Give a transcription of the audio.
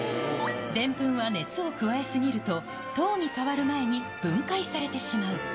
でんぷんは熱を加えすぎると糖に変わる前に分解されてしまう。